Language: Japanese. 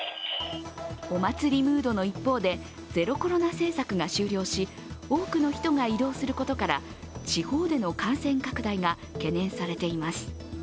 お祭りムードの一方でゼロコロナ政策が終了し多くの人が移動することから、地方での感染拡大が懸念されています。